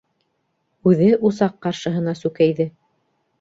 Үҙе усаҡ ҡаршыһына сүкәйҙе.